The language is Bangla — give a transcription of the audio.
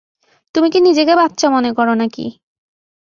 তুমি কি নিজেকে বাচ্চা মনে করো নাকি?